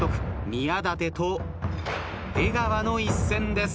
宮舘と出川の一戦です。